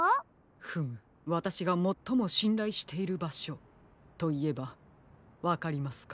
フムわたしがもっともしんらいしているばしょといえばわかりますか？